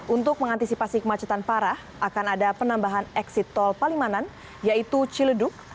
untuk mengantisipasi kemacetan parah akan ada penambahan eksit tol palimanan yaitu ciledug